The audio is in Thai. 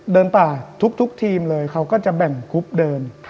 เดินป่าทุกทีมเลยเขาก็จะแบ่งกรุ๊ปเดิน